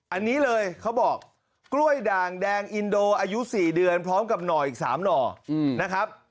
อันนี้เลยเขาบอกกล้วยด่างแดงอินโดอายุ๔เดือนพร้อมกับหน่ออีก๓หน่อนะครับ